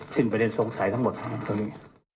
สิ้นประเด็นสงสัยทั้งหมดนะครับตรงนี้